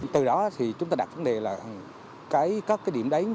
từ đó thì chúng ta đặt vấn đề là các cái điểm đấy